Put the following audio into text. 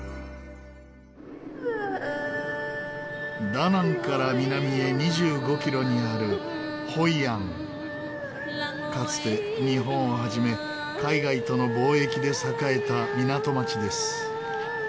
ダナンから南へ２５キロにあるかつて日本を始め海外との貿易で栄えた港町です。